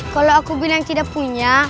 kalau aku bilang tidak punya